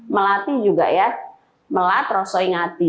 melati juga ya melat rosoi ngati